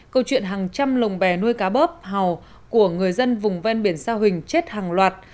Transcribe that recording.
câu chuyện hàng trăm lồng bè nuôi cá bóp hào của người dân vùng ven biển sao hình chết hàng loạt